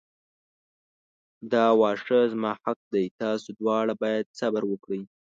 دا واښه زما حق دی تاسو دواړه باید صبر وکړئ.